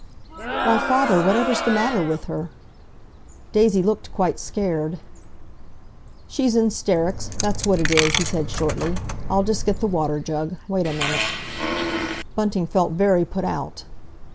"Why, father, whatever's the matter with her?" Daisy looked quite scared. "She's in 'sterics—that's what it is," he said shortly. "I'll just get the water jug. Wait a minute!" Bunting felt very put out.